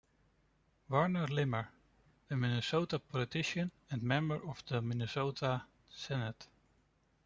Warren Limmer - A Minnesota politician and member of the Minnesota Senate.